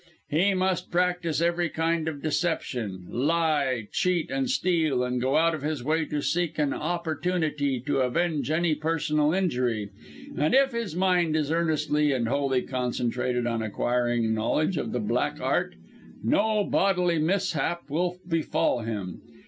He must practice every kind of deception lie, cheat and steal, and go out of his way to seek an opportunity to avenge any personal injury; and if his mind is earnestly and wholly concentrated on acquiring knowledge of the Black Art no bodily mishap will befall him.